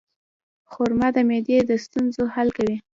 خرما د معدې د ستونزو حل کوي.